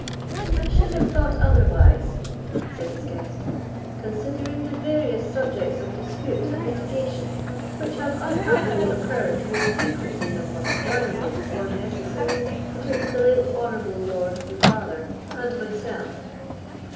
"I should have thought otherwise," said his guest, "considering the various subjects of dispute and litigation which have unhappily occurred more frequently than was desirable or necessary betwixt the late honourable lord, your father, and myself."